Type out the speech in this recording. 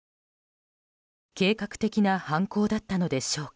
計画的な犯行だったのでしょうか？